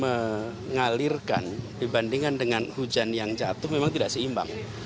mengalirkan dibandingkan dengan hujan yang jatuh memang tidak seimbang